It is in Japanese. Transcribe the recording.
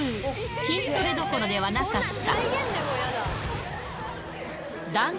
筋トレどころではなかった。